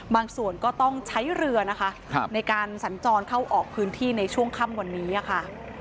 ก็ต้องใช้เรือนะคะในการสัญจรเข้าออกพื้นที่ในช่วงค่ำวันนี้ค่ะ